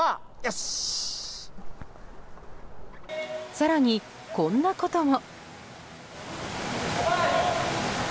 更に、こんなことも。